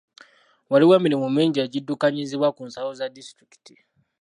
Waliwo emirimu mingi egiddukanyizibwa ku nsalo za disitulikiti.